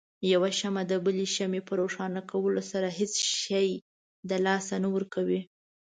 يوه شمعه دبلې شمعې په روښانه کولو سره هيڅ شی د لاسه نه ورکوي.